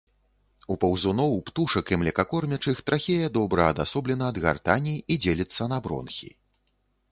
У паўзуноў, птушак і млекакормячых трахея добра адасоблена ад гартані і дзеліцца на бронхі.